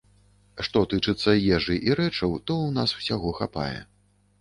Што тычыцца ежы і рэчаў, то ў нас усяго хапае.